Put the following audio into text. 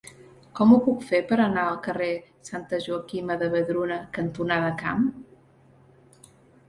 Com ho puc fer per anar al carrer Santa Joaquima de Vedruna cantonada Camp?